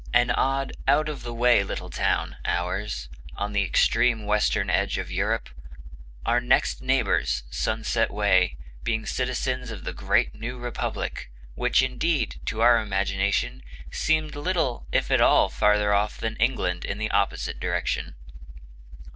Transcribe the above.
An odd, out of the way little town, ours, on the extreme western edge of Europe; our next neighbors, sunset way, being citizens of the great new republic, which indeed, to our imagination, seemed little if at all farther off than England in the opposite direction."